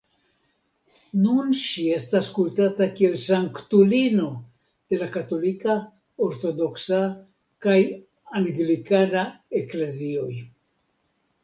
Nun ŝi estas kultata kiel sanktulino de la Katolika, Ortodoksa kaj Anglikana Eklezioj.